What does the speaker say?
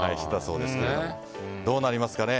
どうなりますかね。